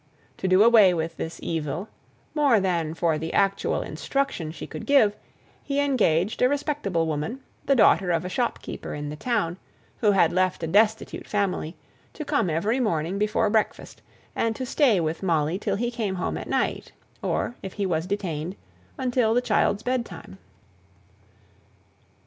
To do away with this evil, more than for the actual instruction she could give, he engaged a respectable woman, the daughter of a shopkeeper in the town, who had left a destitute family, to come every morning before breakfast, and to stay with Molly till he came home at night; or, if he was detained, until the child's bed time.